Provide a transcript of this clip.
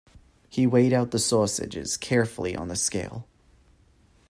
He weighed out the sausages carefully on the scale.